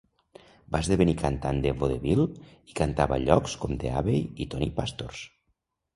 Va esdevenir cantant de vodevil i cantava a llocs com The Abbey i Tony Pastor's.